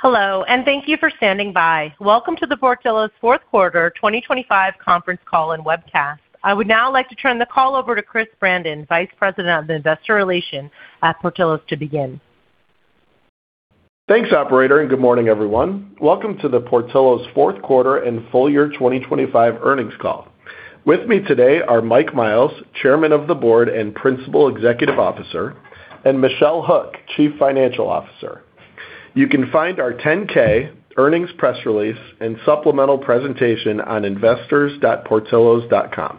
Hello. Thank you for standing by. Welcome to the Portillo's fourth quarter 2025 conference call and webcast. I would now like to turn the call over to Chris Brandon, Vice President of Investor Relations at Portillo's, to begin. Thanks, operator. Good morning, everyone. Welcome to the Portillo's fourth quarter and full year 2025 earnings call. With me today are Mike Miles, Chairman of the Board and Principal Executive Officer, and Michelle Hook, Chief Financial Officer. You can find our 10-K, earnings press release, and supplemental presentation on investors.portillos.com.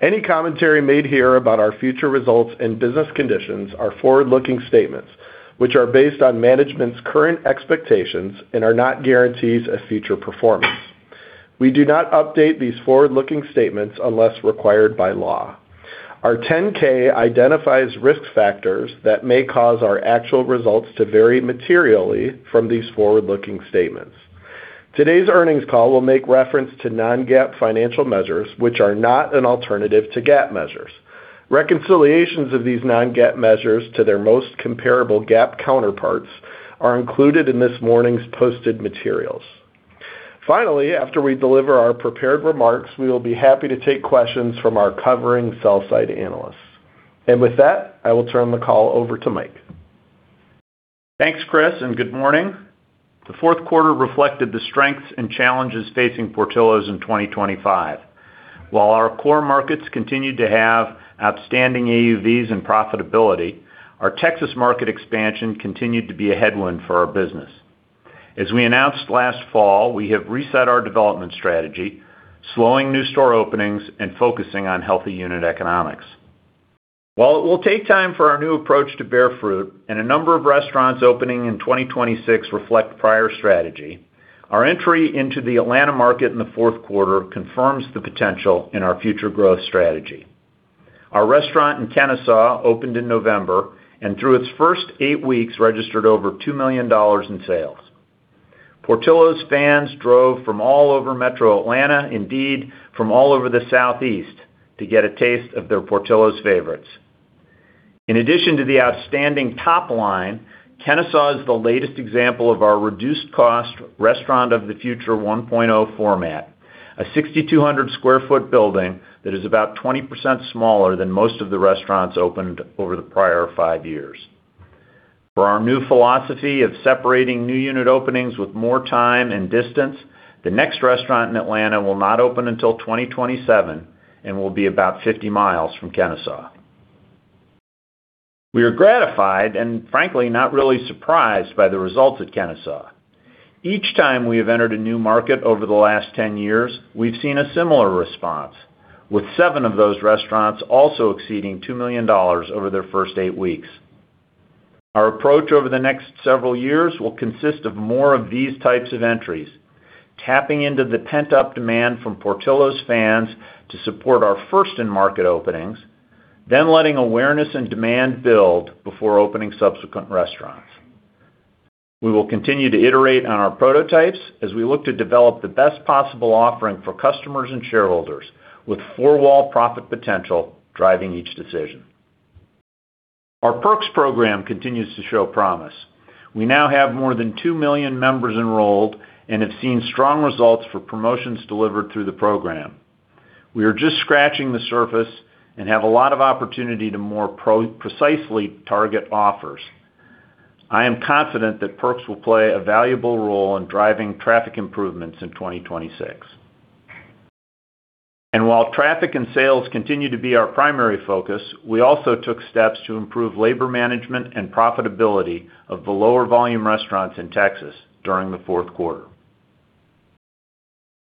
Any commentary made here about our future results and business conditions are forward-looking statements, which are based on management's current expectations and are not guarantees of future performance. We do not update these forward-looking statements unless required by law. Our 10-K identifies risk factors that may cause our actual results to vary materially from these forward-looking statements. Today's earnings call will make reference to Non-GAAP financial measures, which are not an alternative to GAAP measures. Reconciliations of these Non-GAAP measures to their most comparable GAAP counterparts are included in this morning's posted materials. Finally, after we deliver our prepared remarks, we will be happy to take questions from our covering sell-side analysts. With that, I will turn the call over to Mike. Thanks, Chris, and good morning. The fourth quarter reflected the strengths and challenges facing Portillo's in 2025. While our core markets continued to have outstanding AUVs and profitability, our Texas market expansion continued to be a headwind for our business. As we announced last fall, we have reset our development strategy, slowing new store openings and focusing on healthy unit economics. While it will take time for our new approach to bear fruit and a number of restaurants opening in 2026 reflect prior strategy, our entry into the Atlanta market in the fourth quarter confirms the potential in our future growth strategy. Our restaurant in Kennesaw opened in November, and through its first eight weeks, registered over $2 million in sales. Portillo's fans drove from all over metro Atlanta, indeed, from all over the Southeast, to get a taste of their Portillo's favorites. In addition to the outstanding top line, Kennesaw is the latest example of our reduced-cost Restaurant of the Future 1.0 format, a 6,200 sq ft building that is about 20% smaller than most of the restaurants opened over the prior five years. For our new philosophy of separating new unit openings with more time and distance, the next restaurant in Atlanta will not open until 2027 and will be about 50 miles from Kennesaw. We are gratified and frankly, not really surprised by the results at Kennesaw. Each time we have entered a new market over the last 10 years, we've seen a similar response, with 7 of those restaurants also exceeding $2 million over their first eight weeks. Our approach over the next several years will consist of more of these types of entries, tapping into the pent-up demand from Portillo's fans to support our first-in-market openings, then letting awareness and demand build before opening subsequent restaurants. We will continue to iterate on our prototypes as we look to develop the best possible offering for customers and shareholders, with four-wall profit potential driving each decision. Our Perks program continues to show promise. We now have more than 2 million members enrolled and have seen strong results for promotions delivered through the program. We are just scratching the surface and have a lot of opportunity to precisely target offers. I am confident that Perks will play a valuable role in driving traffic improvements in 2026. While traffic and sales continue to be our primary focus, we also took steps to improve labor management and profitability of the lower-volume restaurants in Texas during the fourth quarter.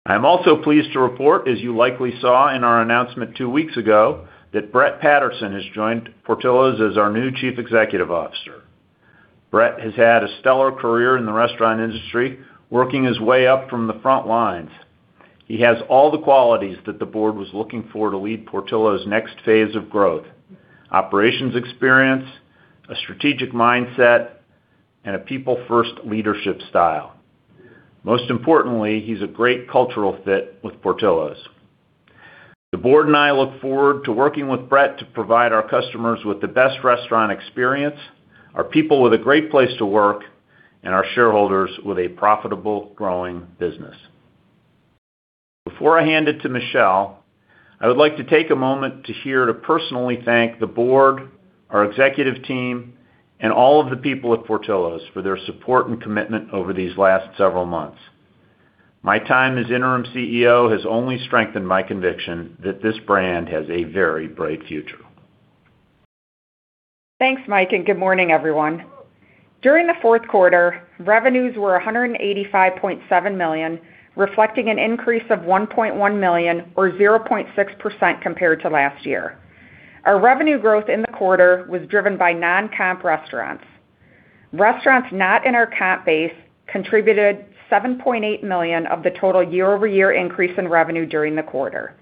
I'm also pleased to report, as you likely saw in our announcement two weeks ago, that Brett Patterson has joined Portillo's as our new Chief Executive Officer. Brett has had a stellar career in the restaurant industry, working his way up from the front lines. He has all the qualities that the board was looking for to lead Portillo's next phase of growth: operations experience, a strategic mindset, and a people-first leadership style. Most importantly, he's a great cultural fit with Portillo's. The board and I look forward to working with Brett to provide our customers with the best restaurant experience, our people with a great place to work, and our shareholders with a profitable, growing business. Before I hand it to Michelle, I would like to take a moment to personally thank the board, our executive team, and all of the people at Portillo's for their support and commitment over these last several months. My time as interim CEO has only strengthened my conviction that this brand has a very bright future. Thanks, Mike. Good morning, everyone. During the fourth quarter, revenues were $185.7 million, reflecting an increase of $1.1 million or 0.6% compared to last year. Our revenue growth in the quarter was driven by non-comp restaurants. Restaurants not in our comp base contributed $7.8 million of the total year-over-year increase in revenue during the quarter.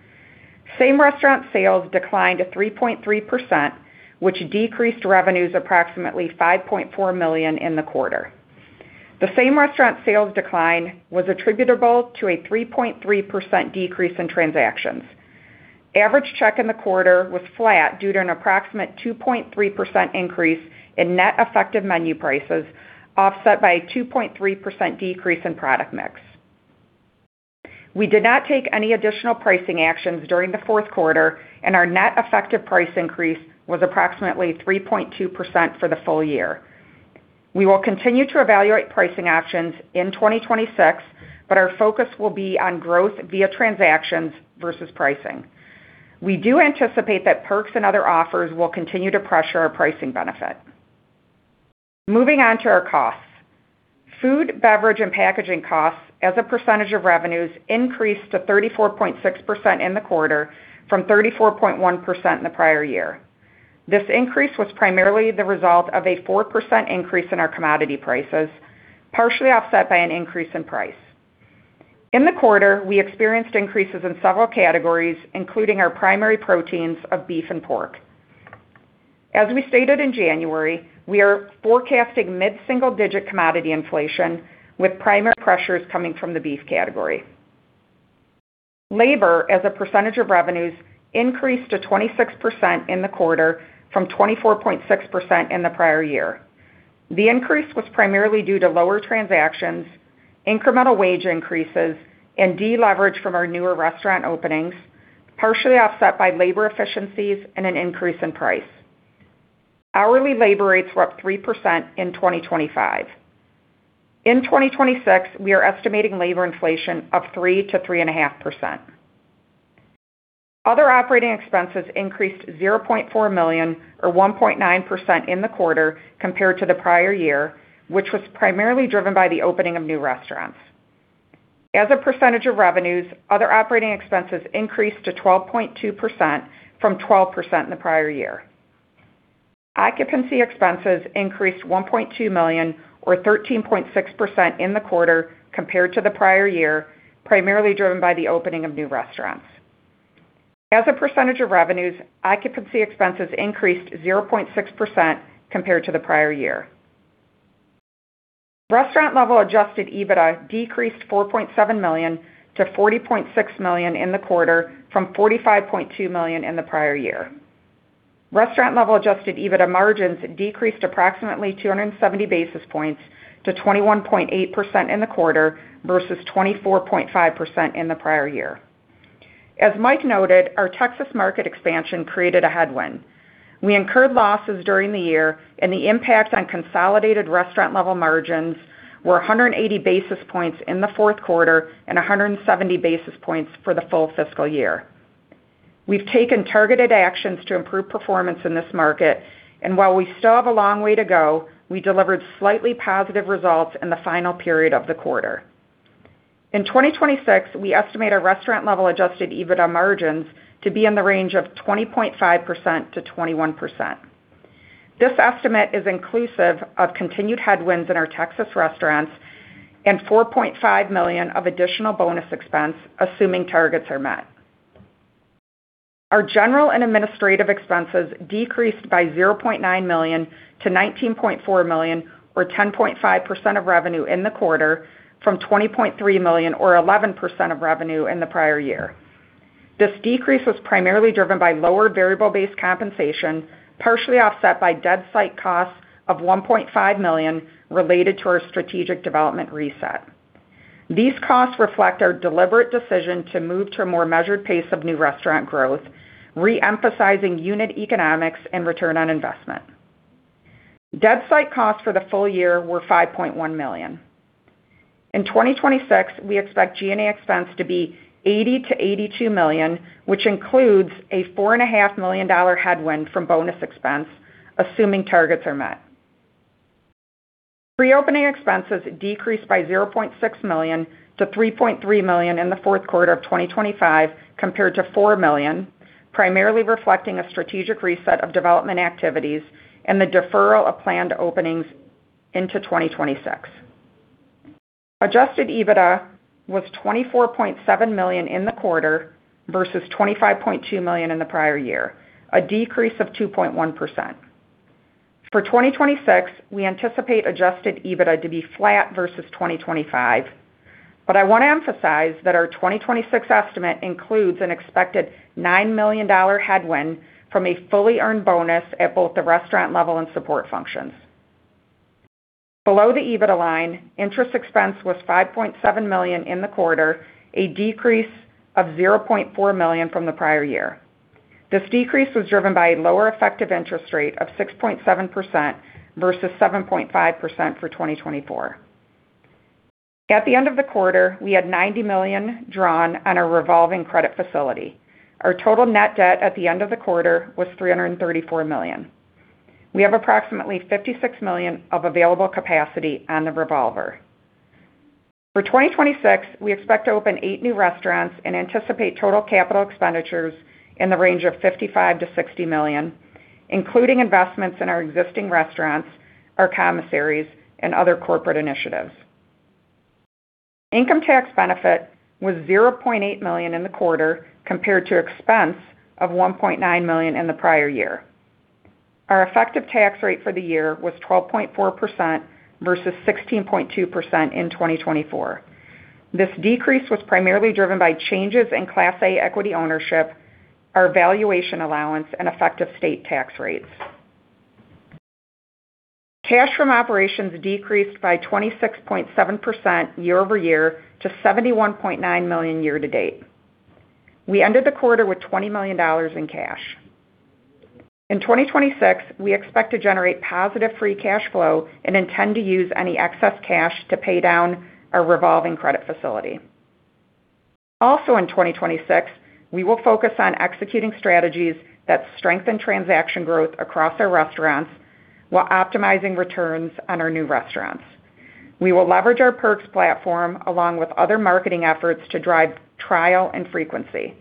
Same-restaurant sales declined to 3.3%, which decreased revenues approximately $5.4 million in the quarter. The same-restaurant sales decline was attributable to a 3.3% decrease in transactions. Average check in the quarter was flat due to an approximate 2.3% increase in net effective menu prices, offset by a 2.3% decrease in product mix. We did not take any additional pricing actions during the fourth quarter, and our net effective price increase was approximately 3.2% for the full year. We will continue to evaluate pricing actions in 2026, but our focus will be on growth via transactions versus pricing. We do anticipate that Perks and other offers will continue to pressure our pricing benefit. Moving on to our costs. Food, beverage, and packaging costs as a percentage of revenues increased to 34.6% in the quarter from 34.1% in the prior year. This increase was primarily the result of a 4% increase in our commodity prices, partially offset by an increase in price. In the quarter, we experienced increases in several categories, including our primary proteins of beef and pork. As we stated in January, we are forecasting mid-single-digit commodity inflation, with primary pressures coming from the beef category. Labor, as a percentage of revenues, increased to 26% in the quarter from 24.6% in the prior year. The increase was primarily due to lower transactions, incremental wage increases, and deleverage from our newer restaurant openings, partially offset by labor efficiencies and an increase in price. Hourly labor rates were up 3% in 2025. In 2026, we are estimating labor inflation of 3%-3.5%. Other operating expenses increased $0.4 million or 1.9% in the quarter compared to the prior year, which was primarily driven by the opening of new restaurants. As a percentage of revenues, other operating expenses increased to 12.2% from 12% in the prior year. Occupancy expenses increased $1.2 million or 13.6% in the quarter compared to the prior year, primarily driven by the opening of new restaurants. As a percentage of revenues, occupancy expenses increased 0.6% compared to the prior year. Restaurant-Level Adjusted EBITDA decreased $4.7 million to $40.6 million in the quarter, from $45.2 million in the prior year. Restaurant-Level Adjusted EBITDA margins decreased approximately 270 basis points to 21.8% in the quarter versus 24.5% in the prior year. As Mike noted, our Texas market expansion created a headwind. We incurred losses during the year, and the impact on consolidated restaurant-level margins were 180 basis points in the fourth quarter and 170 basis points for the full fiscal year. We've taken targeted actions to improve performance in this market, and while we still have a long way to go, we delivered slightly positive results in the final period of the quarter. In 2026, we estimate our restaurant-level Adjusted EBITDA margin to be in the range of 20.5%-21%. This estimate is inclusive of continued headwinds in our Texas restaurants and $4.5 million of additional bonus expense, assuming targets are met. Our general and administrative expenses decreased by $0.9 million to $19.4 million, or 10.5% of revenue in the quarter, from $20.3 million, or 11% of revenue in the prior year. This decrease was primarily driven by lower variable-based compensation, partially offset by dead site costs of $1.5 million related to our strategic development reset. These costs reflect our deliberate decision to move to a more measured pace of new restaurant growth, re-emphasizing unit economics and return on investment. dead site costs for the full year were $5.1 million. In 2026, we expect G&A expense to be $80 million-$82 million, which includes a $4.5 million headwind from bonus expense, assuming targets are met. Pre-opening expenses decreased by $0.6 million to $3.3 million in the fourth quarter of 2025 compared to $4 million, primarily reflecting a strategic reset of development activities and the deferral of planned openings into 2026. Adjusted EBITDA was $24.7 million in the quarter versus $25.2 million in the prior year, a decrease of 2.1%. For 2026, we anticipate Adjusted EBITDA to be flat versus 2025. I want to emphasize that our 2026 estimate includes an expected $9 million headwind from a fully earned bonus at both the restaurant level and support functions. Below the EBITDA line, interest expense was $5.7 million in the quarter, a decrease of $0.4 million from the prior year. This decrease was driven by a lower effective interest rate of 6.7% versus 7.5% for 2024. At the end of the quarter, we had $90 million drawn on our revolving credit facility. Our total net debt at the end of the quarter was $334 million. We have approximately $56 million of available capacity on the revolver. For 2026, we expect to open 8 new restaurants and anticipate total capital expenditures in the range of $55 million-$60 million, including investments in our existing restaurants, our commissaries, and other corporate initiatives. Income tax benefit was $0.8 million in the quarter, compared to expense of $1.9 million in the prior year. Our effective tax rate for the year was 12.4% versus 16.2% in 2024. This decrease was primarily driven by changes in Class A equity ownership, our valuation allowance, and effective state tax rates. Cash from operations decreased by 26.7% year-over-year to $71.9 million year to date. We ended the quarter with $20 million in cash. In 2026, we expect to generate positive free cash flow and intend to use any excess cash to pay down our revolving credit facility. In 2026, we will focus on executing strategies that strengthen transaction growth across our restaurants while optimizing returns on our new restaurants. We will leverage our perks platform along with other marketing efforts to drive trial and frequency.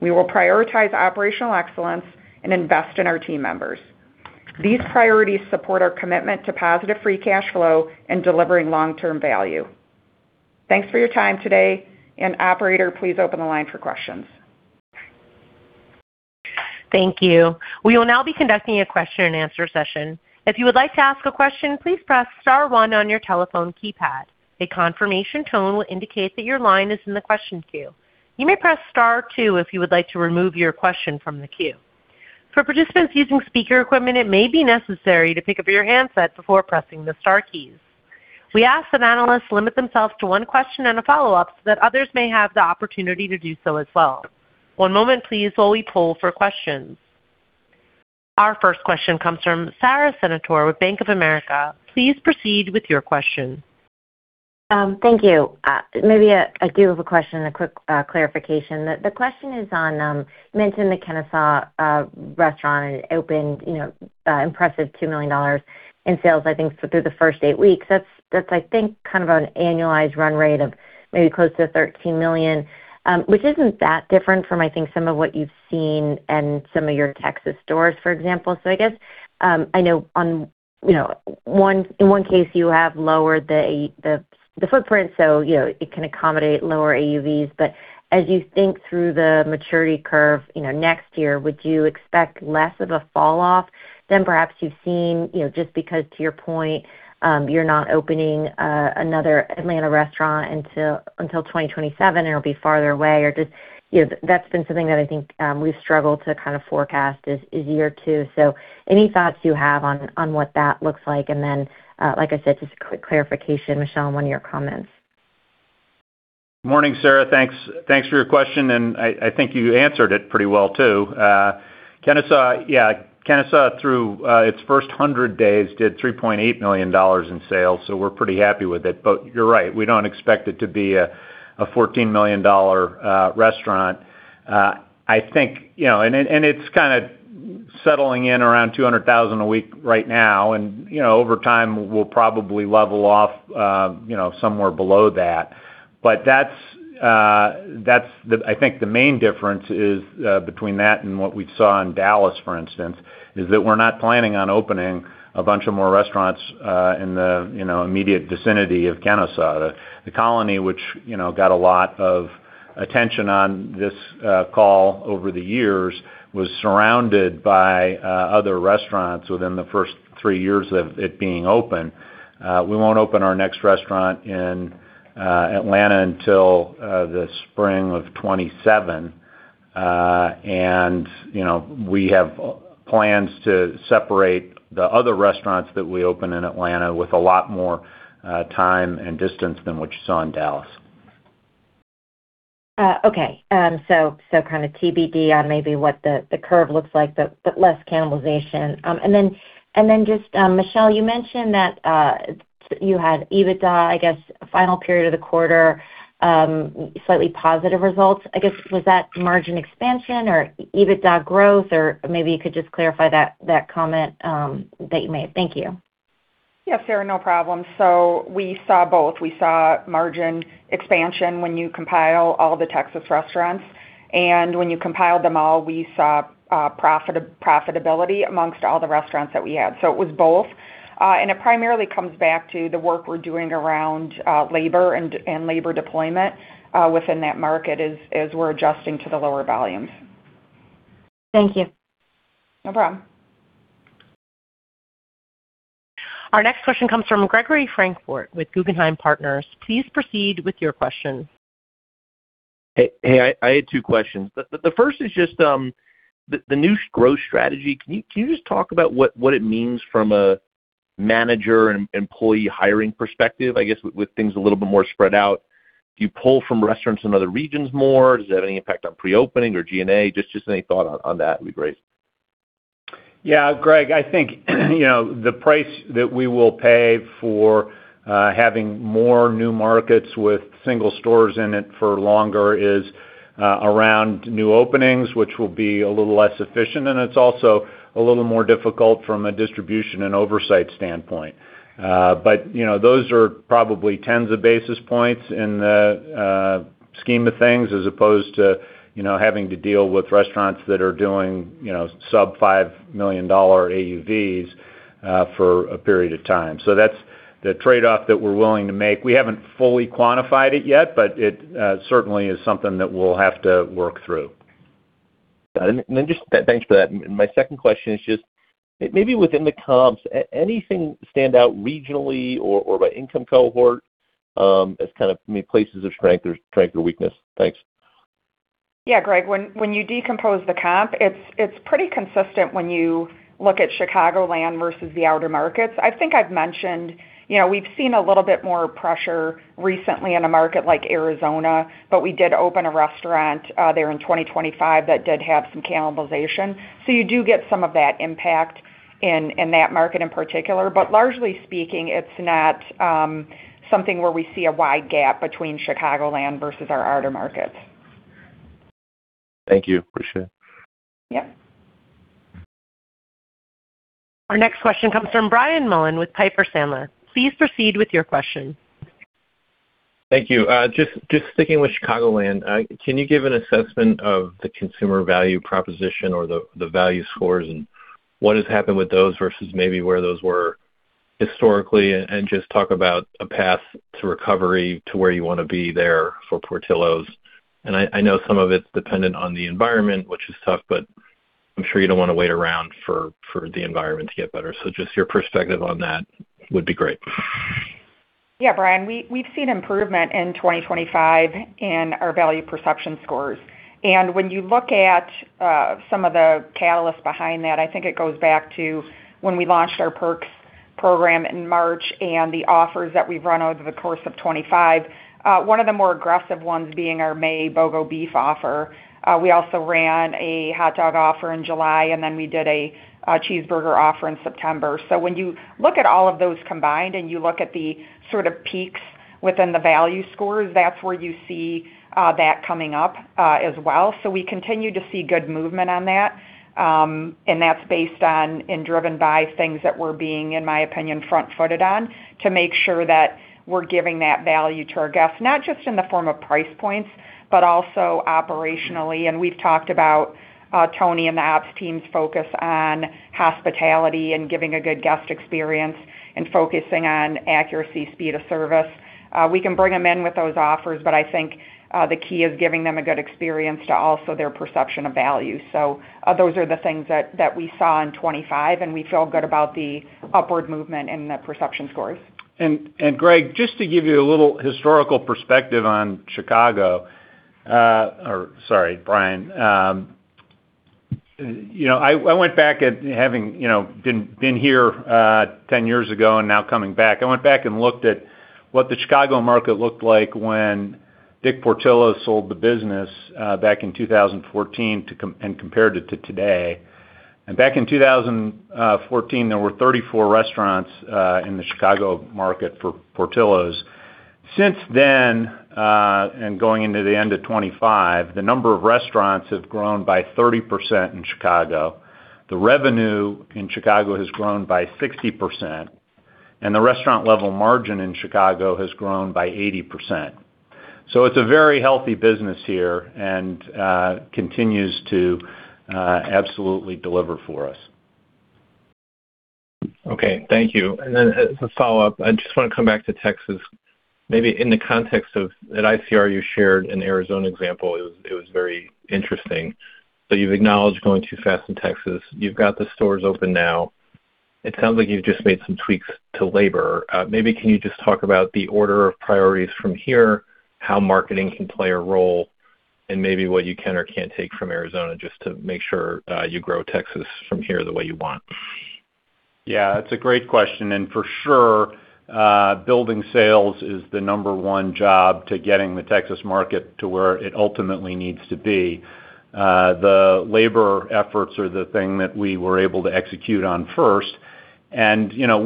We will prioritize operational excellence and invest in our team members. These priorities support our commitment to positive free cash flow and delivering long-term value. Thanks for your time today. Operator, please open the line for questions. Thank you. We will now be conducting a question-and-answer session. If you would like to ask a question, please press star one on your telephone keypad. A confirmation tone will indicate that your line is in the question queue. You may press star two if you would like to remove your question from the queue. For participants using speaker equipment, it may be necessary to pick up your handset before pressing the star keys. We ask that analysts limit themselves to one question and a follow-up, so that others may have the opportunity to do so as well. One moment, please, while we poll for questions. Our first question comes from Sara Senatore with Bank of America. Please proceed with your question. Thank you. Maybe I do have a question and a quick clarification. The question is on, you mentioned the Kennesaw restaurant, and it opened, you know, impressive $2 million in sales, I think, through the first eight weeks. That's I think, kind of an annualized run rate of maybe close to $13 million, which isn't that different from, I think, some of what you've seen in some of your Texas stores, for example. I guess, I know on, you know, in one case, you have lowered the footprint, so, you know, it can accommodate lower AUVs. As you think through the maturity curve, you know, next year, would you expect less of a falloff than perhaps you've seen? You know, just because to your point, you're not opening another Atlanta restaurant until 2027, and it'll be farther away, or just, you know, that's been something that I think, we've struggled to kind of forecast as year 2. Any thoughts you have on what that looks like? Like I said, just a quick clarification, Michelle, on one of your comments. Morning, Sara. Thanks for your question, and I think you answered it pretty well, too. Kennesaw, through its first 100 days, did $3.8 million in sales, so we're pretty happy with it. you're right, we don't expect it to be a $14 million restaurant. I think, you know, and it's kind of settling in around $200,000 a week right now, and, you know, over time, we'll probably level off, you know, somewhere below that. that's the I think the main difference is between that and what we saw in Dallas, for instance, is that we're not planning on opening a bunch of more restaurants in the, you know, immediate vicinity of Kennesaw. The Colony, which, you know, got a lot of attention on this call over the years, was surrounded by other restaurants within the first three years of it being open. We won't open our next restaurant in Atlanta until the spring of 2027. You know, we have plans to separate the other restaurants that we open in Atlanta with a lot more time and distance than what you saw in Dallas. Okay. Kind of TBD on maybe what the curve looks like, but less cannibalization. Then just Michelle, you mentioned that you had EBITDA, I guess, final period of the quarter, slightly positive results. I guess, was that margin expansion or EBITDA growth, or maybe you could just clarify that comment that you made? Thank you. Yes, Sara, no problem. We saw both. We saw margin expansion when you compile all the Texas restaurants, and when you compiled them all, we saw profitability amongst all the restaurants that we had. It was both. It primarily comes back to the work we're doing around labor and labor deployment within that market as we're adjusting to the lower volumes. Thank you. No problem. Our next question comes from Gregory Francfort with Guggenheim Partners. Please proceed with your question. Hey, I had two questions. The first is just the new growth strategy. Can you just talk about what it means from a manager and employee hiring perspective, I guess, with things a little bit more spread out? Do you pull from restaurants in other regions more? Does it have any impact on pre-opening or G&A? Just any thought on that would be great. Yeah, Greg, I think, you know, the price that we will pay for, having more new markets with single stores in it for longer is, around new openings, which will be a little less efficient, and it's also a little more difficult from a distribution and oversight standpoint. But, you know, those are probably tens of basis points in the scheme of things, as opposed to, you know, having to deal with restaurants that are doing, you know, sub $5 million AUVs, for a period of time. That's the trade-off that we're willing to make. We haven't fully quantified it yet, but it certainly is something that we'll have to work through. Got it. Just, thanks for that. My second question is just, maybe within the comps, anything stand out regionally or by income cohort, as kind of, I mean, places of strength or weakness? Thanks. Yeah, Greg, when you decompose the comp, it's pretty consistent when you look at Chicagoland versus the outer markets. I think I've mentioned, you know, we've seen a little bit more pressure recently in a market like Arizona, but we did open a restaurant there in 2025 that did have some cannibalization. You do get some of that impact in that market in particular. Largely speaking, it's not something where we see a wide gap between Chicagoland versus our outer markets. Thank you. Appreciate it. Yep. Our next question comes from Brian Mullan with Piper Sandler. Please proceed with your question. Thank you. Just sticking with Chicagoland, can you give an assessment of the consumer value proposition or the value scores and what has happened with those versus maybe where those were historically? Just talk about a path to recovery to where you want to be there for Portillo's. I know some of it's dependent on the environment, which is tough, but I'm sure you don't want to wait around for the environment to get better. Just your perspective on that would be great. Brian, we've seen improvement in 2025 in our value perception scores. When you look at some of the catalysts behind that, I think it goes back to when we launched our Portillo's Perks program in March and the offers that we've run over the course of 2025. One of the more aggressive ones being our May BOGO beef offer. We also ran a hot dog offer in July, we did a cheeseburger offer in September. When you look at all of those combined, and you look at the sort of peaks within the value scores, that's where you see that coming up as well. We continue to see good movement on that, and that's based on and driven by things that we're being, in my opinion, front-footed on, to make sure that we're giving that value to our guests, not just in the form of price points, but also operationally. We've talked about Tony and the ops team's focus on hospitality and giving a good guest experience and focusing on accuracy, speed of service. We can bring them in with those offers, but I think the key is giving them a good experience to also their perception of value. Those are the things that we saw in 25, and we feel good about the upward movement in the perception scores. Greg, just to give you a little historical perspective on Chicago, or sorry, Brian. You know, I went back at having, you know, been here 10 years ago and now coming back. I went back and looked at what the Chicago market looked like when The Portillo sold the business back in 2014 and compared it to today. Back in 2014, there were 34 restaurants in the Chicago market for Portillo's. Since then, and going into the end of 2025, the number of restaurants have grown by 30% in Chicago. The revenue in Chicago has grown by 60%, and the restaurant-level margin in Chicago has grown by 80%. It's a very healthy business here and continues to absolutely deliver for us. Okay, thank you. As a follow-up, I just want to come back to Texas. Maybe in the context of, at ICR, you shared an Arizona example. It was very interesting. You've acknowledged going too fast in Texas. You've got the stores open now. It sounds like you've just made some tweaks to labor. Maybe can you just talk about the order of priorities from here, how marketing can play a role, and maybe what you can or can't take from Arizona just to make sure you grow Texas from here the way you want? That's a great question. For sure, building sales is the number 1 job to getting the Texas market to where it ultimately needs to be. The labor efforts are the thing that we were able to execute on first. You know,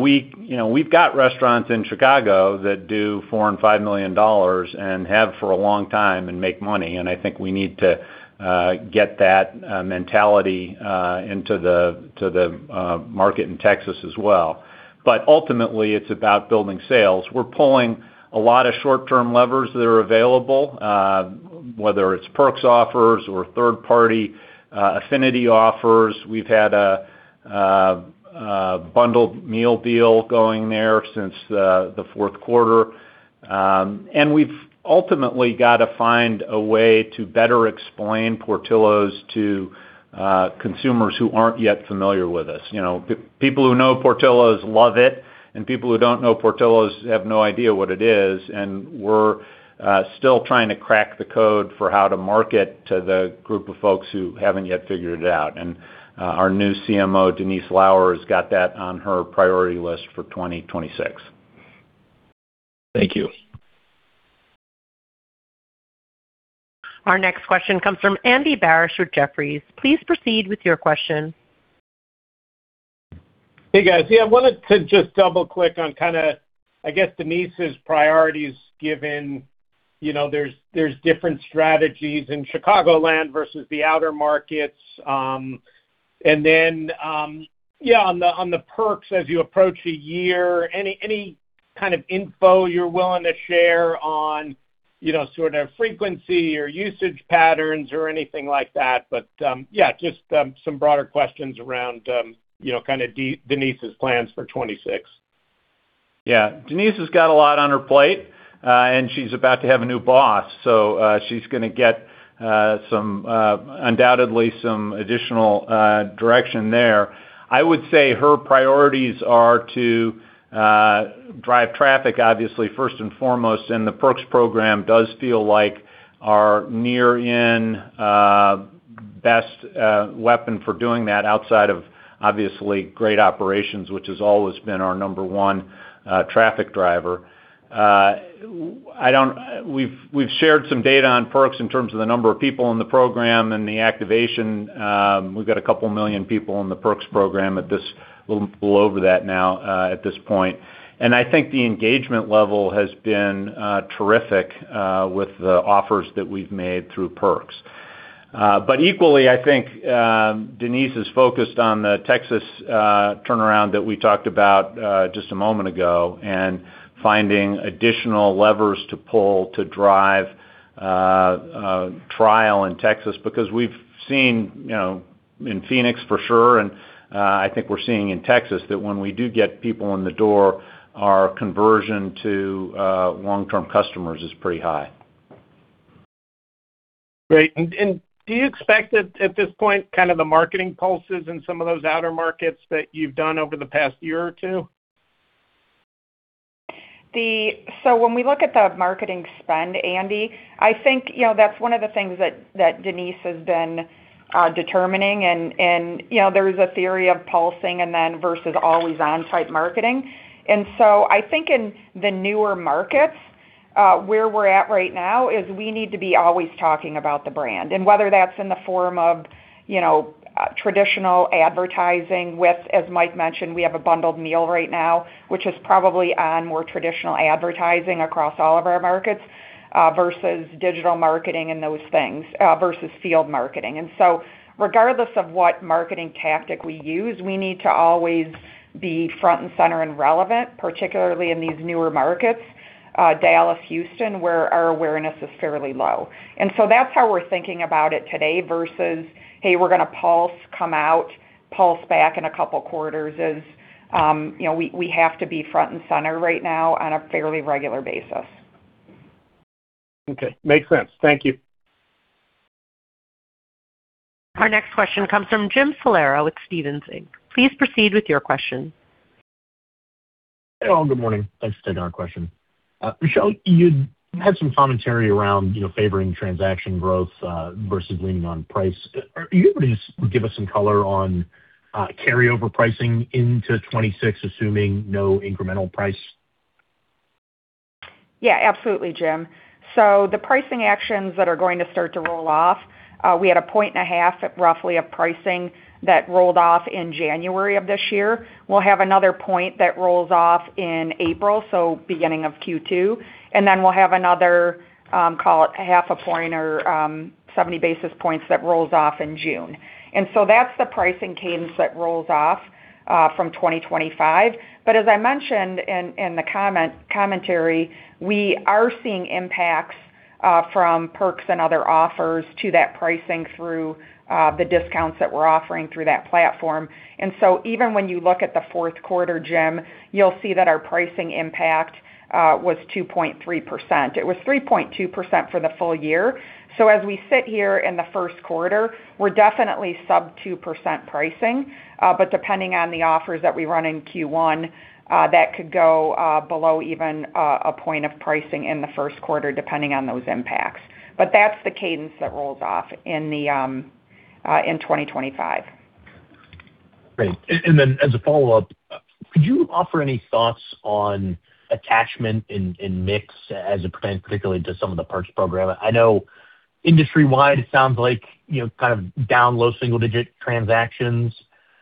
we've got restaurants in Chicago that do $4 million and $5 million and have for a long time and make money, and I think we need to get that mentality into the market in Texas as well. Ultimately, it's about building sales. We're pulling a lot of short-term levers that are available, whether it's Perks offers or third-party affinity offers. We've had a bundled meal deal going there since the fourth quarter. We've ultimately got to find a way to better explain Portillo's to consumers who aren't yet familiar with us. You know, people who know Portillo's love it, and people who don't know Portillo's have no idea what it is, and we're still trying to crack the code for how to market to the group of folks who haven't yet figured it out. Our new CMO, Denise Lauer, has got that on her priority list for 2026. Thank you. Our next question comes from Andy Barish with Jefferies. Please proceed with your question. Hey, guys. Yeah, I wanted to just double-click on kind of, I guess, Denise's priorities, given, you know, there's different strategies in Chicagoland versus the outer markets. And then, yeah, on the perks as you approach a year, any kind of info you're willing to share on, you know, sort of frequency or usage patterns or anything like that? But, yeah, just some broader questions around, you know, kind of Denise's plans for 26. Yeah, Denise has got a lot on her plate, and she's about to have a new boss, so she's gonna get some undoubtedly some additional direction there. I would say her priorities are to drive traffic, obviously, first and foremost, and the Perks program does feel like our near-in best weapon for doing that, outside of obviously, great operations, which has always been our number 1 traffic driver. I don't. We've shared some data on Perks in terms of the number of people in the program and the activation. We've got 2 million people in the Perks program at this, a little over that now, at this point. And I think the engagement level has been terrific with the offers that we've made through Perks. Equally, I think, Denise is focused on the Texas turnaround that we talked about just a moment ago, and finding additional levers to pull to drive trial in Texas, because we've seen, you know, in Phoenix, for sure, and, I think we're seeing in Texas, that when we do get people in the door, our conversion to long-term customers is pretty high. Great. Do you expect at this point, kind of the marketing pulses in some of those outer markets that you've done over the past year or 2? When we look at the marketing spend, Andy, I think, you know, that's one of the things that Denise has been determining. There is a theory of pulsing and then versus always on type marketing. I think in the newer markets, where we're at right now, is we need to be always talking about the brand. Whether that's in the form of, you know, traditional advertising with, as Mike mentioned, we have a bundled meal right now, which is probably on more traditional advertising across all of our markets, versus digital marketing and those things, versus field marketing. Regardless of what marketing tactic we use, we need to always be front and center and relevant, particularly in these newer markets, Dallas, Houston, where our awareness is fairly low. That's how we're thinking about it today versus, "Hey, we're gonna pulse come out, pulse back in a couple of quarters," is, you know, we have to be front and center right now on a fairly regular basis. Okay, makes sense. Thank you. Our next question comes from Jim Salera with Stephens Inc. Please proceed with your question. Hey, all. Good morning. Thanks for taking our question. Michelle, you had some commentary around, you know, favoring transaction growth versus leaning on price. Are you able to just give us some color on carryover pricing into 2026, assuming no incremental price? The pricing actions that are going to start to roll off, we had 1.5 points, at roughly, of pricing that rolled off in January of this year. We'll have another 1 point that rolls off in April, so beginning of Q2, and then we'll have another, call it 0.5 points or 70 basis points that rolls off in June. That's the pricing cadence that rolls off from 2025. As I mentioned in the commentary, we are seeing impacts from Portillo's Perks and other offers to that pricing through the discounts that we're offering through that platform. Even when you look at the fourth quarter, Jim, you'll see that our pricing impact was 2.3%. It was 3.2% for the full year. As we sit here in the first quarter, we're definitely sub 2% pricing, but depending on the offers that we run in Q1, that could go below even a point of pricing in the first quarter, depending on those impacts. That's the cadence that rolls off in 2025. Great. Then as a follow-up, could you offer any thoughts on attachment in mix as it pertains particularly to some of the Perks program? I know industry-wide, it sounds like, you know, kind of down low single-digit transactions,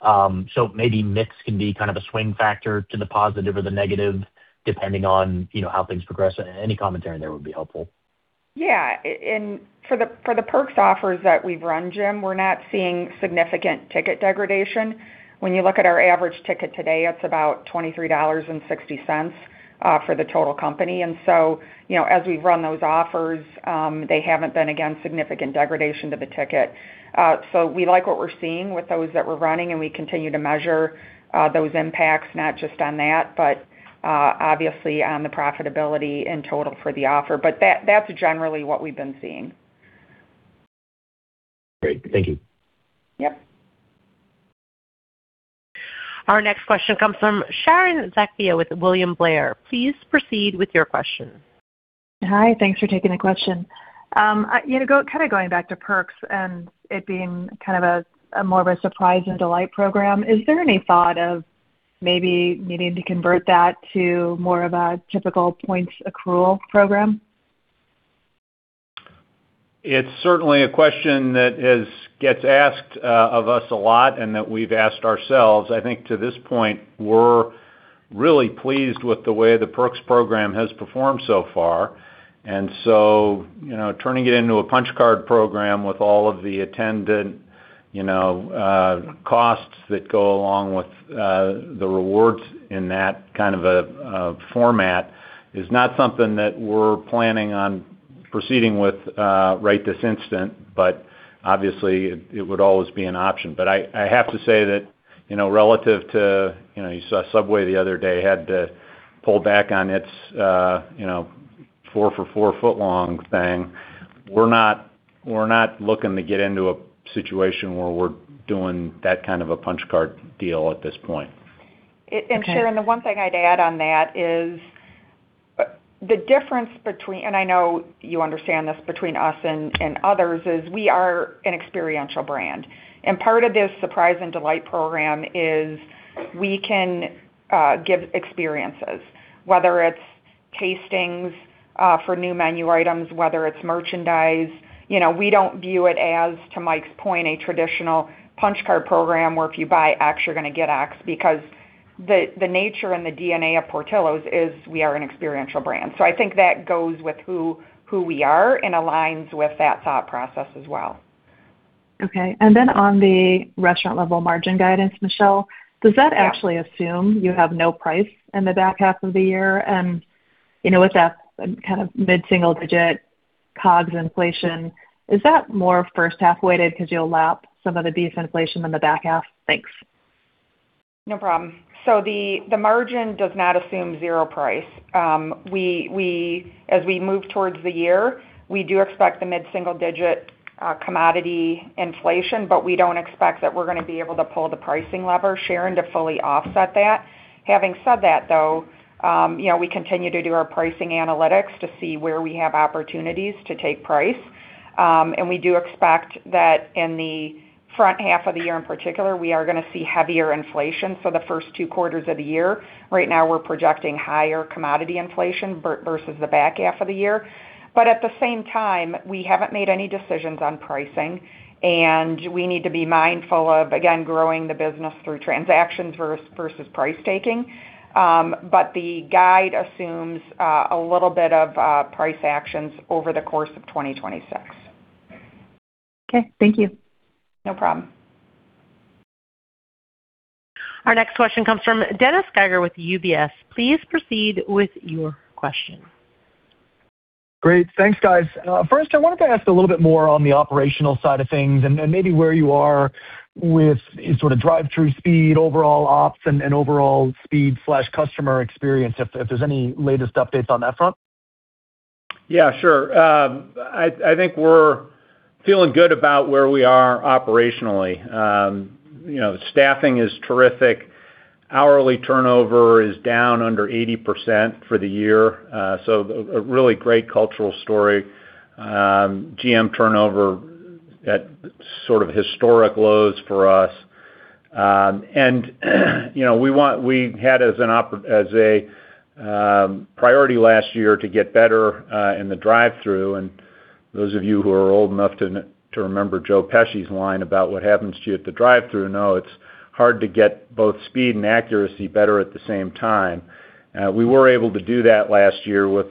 so maybe mix can be kind of a swing factor to the positive or the negative, depending on, you know, how things progress. Any commentary there would be helpful. Yeah, for the Portillo's Perks offers that we've run, Jim, we're not seeing significant ticket degradation. When you look at our average ticket today, it's about $23.60 for the total company. You know, as we run those offers, they haven't been, again, significant degradation to the ticket. We like what we're seeing with those that we're running, and we continue to measure those impacts, not just on that, but obviously on the profitability in total for the offer. That's generally what we've been seeing. Great. Thank you. Yep. Our next question comes from Sharon Zackfia with William Blair. Please proceed with your question. Hi, thanks for taking the question. you know, kind of going back to Perks and it being kind of a more of a surprise and delight program, is there any thought of maybe needing to convert that to more of a typical points accrual program? It's certainly a question that gets asked of us a lot and that we've asked ourselves. I think to this point, we're really pleased with the way the Perks program has performed so far, you know, turning it into a punch card program with all of the attendant, you know, costs that go along with the rewards in that kind of a format is not something that we're planning proceeding with right this instant, but obviously, it would always be an option. I have to say that, you know, relative to, you know, you saw Subway the other day had to pull back on its, you know, 4 for 4 footlong thing. We're not looking to get into a situation where we're doing that kind of a punch card deal at this point. Sharon, the one thing I'd add on that is, the difference between, and I know you understand this, between us and others, is we are an experiential brand, and part of this surprise and delight program is we can give experiences, whether it's tastings for new menu items, whether it's merchandise. You know, we don't view it as, to Mike's point, a traditional punch card program, where if you buy X, you're going to get X, because the nature and the DNA of Portillo's is we are an experiential brand. I think that goes with who we are and aligns with that thought process as well. Okay. On the restaurant-level margin guidance, Michelle, does that actually assume you have no price in the back half of the year? You know, with that kind of mid-single-digit COGS inflation, is that more first half-weighted because you'll lap some of the beef inflation in the back half? Thanks. The margin does not assume 0 price. We as we move towards the year, we do expect the mid-single digit commodity inflation, but we don't expect that we're going to be able to pull the pricing lever, Sharon, to fully offset that. Having said that, though, you know, we continue to do our pricing analytics to see where we have opportunities to take price. We do expect that in the front half of the year, in particular, we are going to see heavier inflation for the first two quarters of the year. Right now, we're projecting higher commodity inflation versus the back half of the year. At the same time, we haven't made any decisions on pricing, and we need to be mindful of, again, growing the business through transactions versus price taking. The guide assumes a little bit of price actions over the course of 2026. Okay, thank you. No problem. Our next question comes from Dennis Geiger with UBS. Please proceed with your question. Great. Thanks, guys. First, I wanted to ask a little bit more on the operational side of things and maybe where you are with sort of drive-through speed, overall ops, and overall speed/customer experience, if there's any latest updates on that front. Yeah, sure. I think we're feeling good about where we are operationally. You know, staffing is terrific. Hourly turnover is down under 80% for the year, so a really great cultural story. GM turnover at sort of historic lows for us. You know, we had as a priority last year to get better in the drive-through. Those of you who are old enough to remember Joe Pesci's line about what happens to you at the drive-through know it's hard to get both speed and accuracy better at the same time. We were able to do that last year with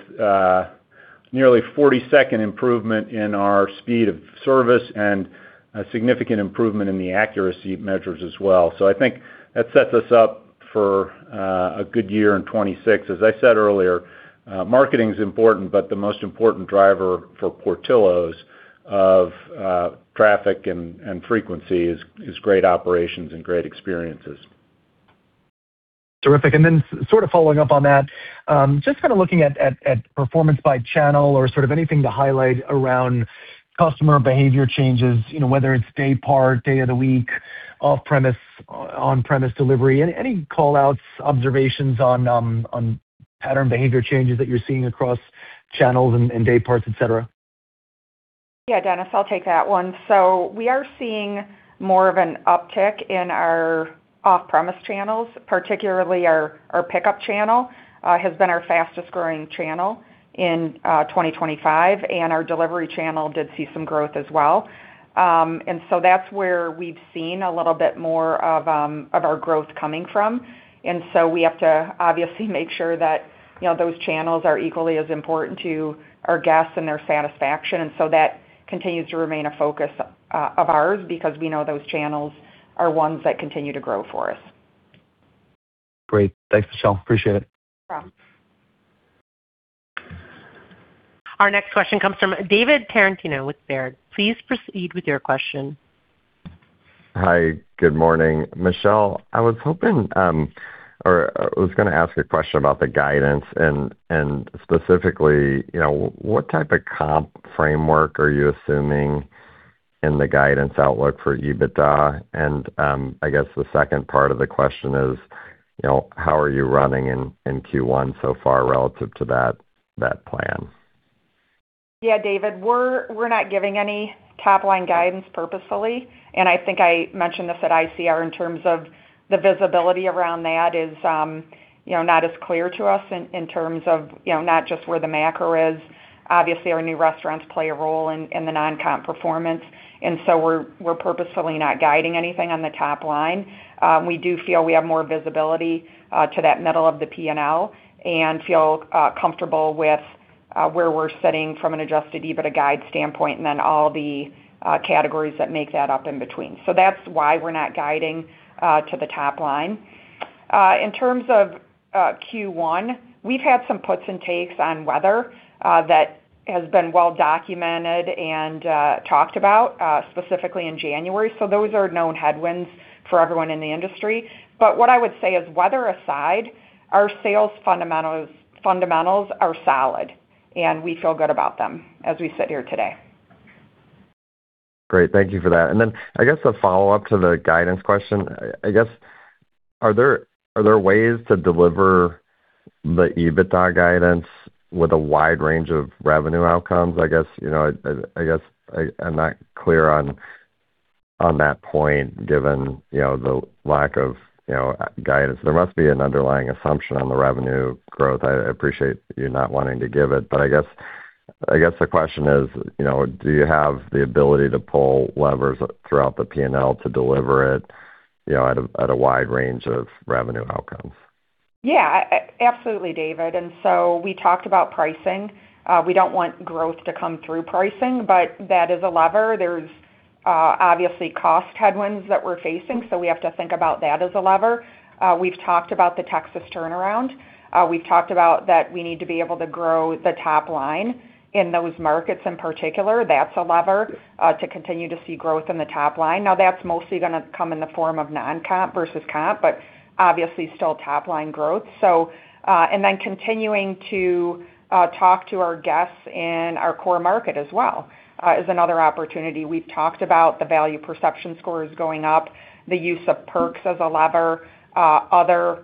nearly 40-second improvement in our speed of service and a significant improvement in the accuracy measures as well. I think that sets us up for a good year in 2026. As I said earlier, marketing is important, but the most important driver for Portillo's of traffic and frequency is great operations and great experiences. Terrific. Sort of following up on that, just kind of looking at performance by channel or sort of anything to highlight around customer behavior changes, you know, whether it's day part, day of the week, off-premise, on-premise delivery. Any call outs, observations on pattern behavior changes that you're seeing across channels and day parts, et cetera? Yeah, Dennis, I'll take that one. We are seeing more of an uptick in our off-premise channels, particularly our pickup channel has been our fastest growing channel in 2025, and our delivery channel did see some growth as well. That's where we've seen a little bit more of our growth coming from. We have to obviously make sure that, you know, those channels are equally as important to our guests and their satisfaction. That continues to remain a focus of ours because we know those channels are ones that continue to grow for us. Great. Thanks, Michelle. Appreciate it. No problem. Our next question comes from David Tarantino with Baird. Please proceed with your question. Hi, good morning. Michelle, I was hoping, or I was going to ask a question about the guidance and specifically, you know, what type of comp framework are you assuming in the guidance outlook for EBITDA? I guess the second part of the question is, you know, how are you running in Q1 so far relative to that plan? Yeah, David, we're not giving any top-line guidance purposefully. I think I mentioned this at ICR in terms of the visibility around that is, you know, not as clear to us in terms of, you know, not just where the macro is. Obviously, our new restaurants play a role in the non-comp performance. We're purposefully not guiding anything on the top line. We do feel we have more visibility to that middle of the P&L and feel comfortable with where we're sitting from an Adjusted EBITDA guide standpoint and then all the categories that make that up in between. That's why we're not guiding to the top line. In terms of Q1, we've had some puts and takes on weather that has been well documented and talked about specifically in January. Those are known headwinds for everyone in the industry. What I would say is, weather aside, our sales fundamentals are solid, and we feel good about them as we sit here today. Great. Thank you for that. I guess a follow-up to the guidance question. I guess, are there ways to deliver the EBITDA guidance with a wide range of revenue outcomes? I guess, you know, I guess I'm not clear on that point, given, you know, the lack of, you know, guidance. There must be an underlying assumption on the revenue growth. I appreciate you not wanting to give it, but I guess the question is, you know, do you have the ability to pull levers throughout the P&L to deliver it, you know, at a wide range of revenue outcomes? Yeah, absolutely, David. We talked about pricing. We don't want growth to come through pricing, but that is a lever. There's, obviously, cost headwinds that we're facing, so we have to think about that as a lever. We've talked about the Texas turnaround. We've talked about that we need to be able to grow the top line in those markets in particular. That's a lever to continue to see growth in the top line. Now, that's mostly gonna come in the form of non-comp versus comp, but obviously, still top-line growth. And then continuing to talk to our guests in our core market as well, is another opportunity. We've talked about the value perception scores going up, the use of Perks as a lever, other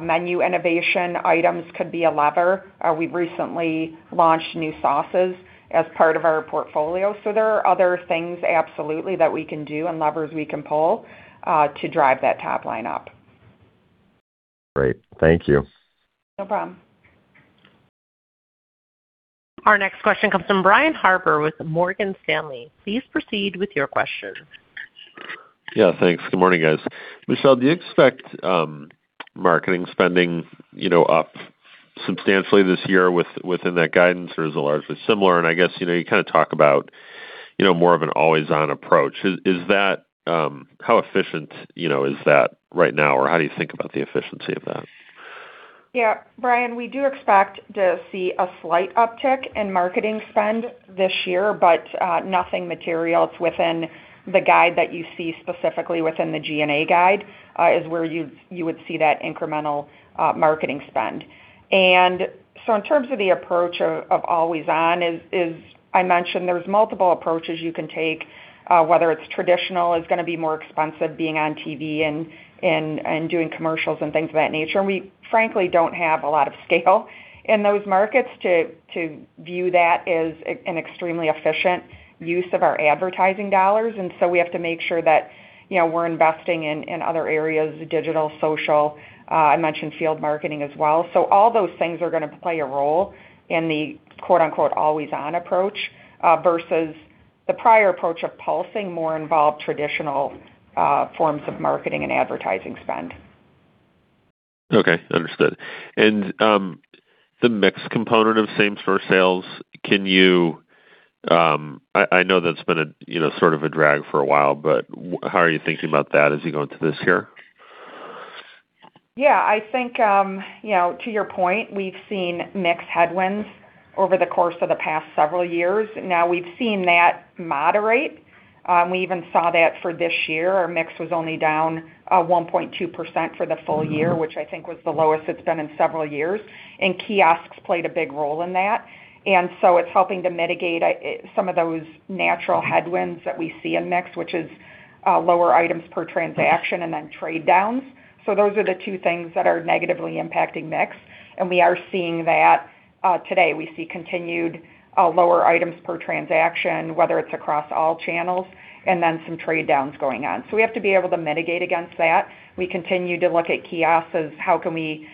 menu innovation items could be a lever. We've recently launched new sauces as part of our portfolio, so there are other things absolutely that we can do and levers we can pull, to drive that top line up. Great. Thank you. No problem. Our next question comes from Brian Harbour with Morgan Stanley. Please proceed with your question. Yeah, thanks. Good morning, guys. Michelle, do you expect marketing spending, you know, up substantially this year within that guidance, or is it largely similar? I guess, you know, you kinda talk about, you know, more of an always-on approach. Is that, How efficient, you know, is that right now, or how do you think about the efficiency of that? Yeah, Brian, we do expect to see a slight uptick in marketing spend this year, but nothing material. It's within the guide that you see, specifically within the G&A guide, is where you would see that incremental marketing spend. In terms of the approach of always on, is I mentioned there's multiple approaches you can take, whether it's traditional, it's gonna be more expensive being on TV and doing commercials and things of that nature. We frankly don't have a lot of scale in those markets to view that as an extremely efficient use of our advertising dollars. We have to make sure that, you know, we're investing in other areas, digital, social, I mentioned field marketing as well. All those things are gonna play a role in the, quote-unquote, "always on" approach, versus the prior approach of pulsing, more involved traditional, forms of marketing and advertising spend. Okay, understood. The mix component of same-restaurant sales, can you... I know that's been a, you know, sort of a drag for a while, but how are you thinking about that as you go into this year? Yeah, I think, you know, to your point, we've seen mix headwinds over the course of the past several years. We've seen that moderate. We even saw that for this year. Our mix was only down 1.2% for the full year, which I think was the lowest it's been in several years, and kiosks played a big role in that. It's helping to mitigate some of those natural headwinds that we see in mix, which is lower items per transaction and then trade downs. Those are the two things that are negatively impacting mix. We are seeing that today. We see continued lower items per transaction, whether it's across all channels, and then some trade downs going on. We have to be able to mitigate against that. We continue to look at kiosks as, How can we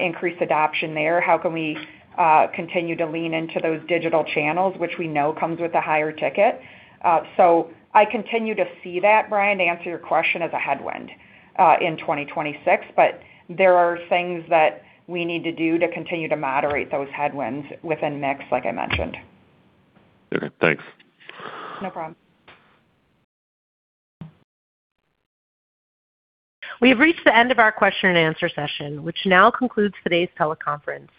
increase adoption there? How can we continue to lean into those digital channels, which we know comes with a higher ticket? I continue to see that, Brian, to answer your question, as a headwind in 2026, but there are things that we need to do to continue to moderate those headwinds within mix, like I mentioned. Okay, thanks. No problem. We have reached the end of our question-and-answer session, which now concludes today's teleconference.